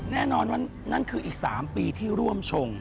แน่นอนว่านั่นคืออีก๓ปีที่ร่วมชง